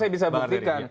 seperti apa bang artiri